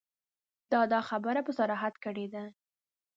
ده دا خبره په صراحت کړې ده.